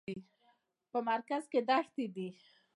په مرکز کې دښتې دي.